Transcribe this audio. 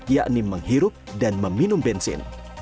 yakni menghirup dan meminum bensin